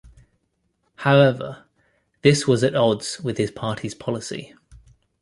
However this was at odds with his party's policy.